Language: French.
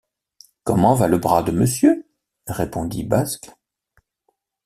Comment va le bras de monsieur? répondit Basque.